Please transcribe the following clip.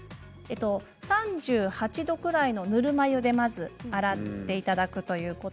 ３８度くらいのぬるま湯で洗っていただくということ。